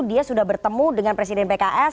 dia sudah bertemu dengan presiden pks